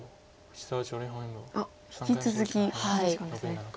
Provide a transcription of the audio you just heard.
あっ引き続き考慮時間ですね。